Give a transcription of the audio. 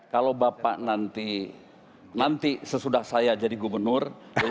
kalau bapak nanti sesudah saya jadi gubernur